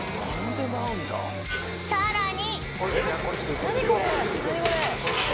さらに